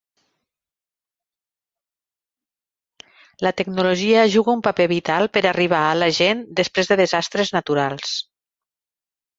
La tecnologia juga un paper vital per arribar a la gent després de desastres naturals.